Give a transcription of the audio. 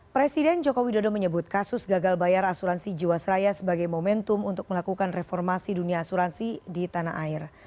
presiden joko widodo menyebut kasus gagal bayar asuransi jiwasraya sebagai momentum untuk melakukan reformasi dunia asuransi di tanah air